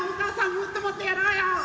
もっともっとやろうよ！